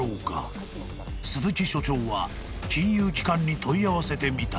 ［鈴木所長は金融機関に問い合わせてみた］